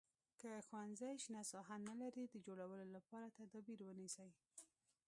که ښوونځی شنه ساحه نه لري د جوړولو لپاره تدابیر ونیسئ.